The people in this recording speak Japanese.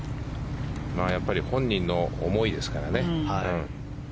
やっぱり本人の思いですからね。